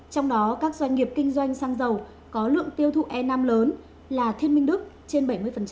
trong đó các doanh nghiệp kinh doanh xăng dầu có lượng tiêu thụ e năm lớn là thiên minh đức trên bảy mươi